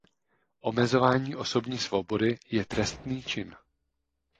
Omezování osobní svobody je trestný čin.